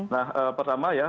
nah pertama ya